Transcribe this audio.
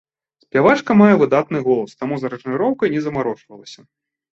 Спявачка мае выдатны голас, таму з аранжыроўкай не замарочвалася.